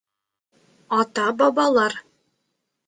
Ата-бабалар.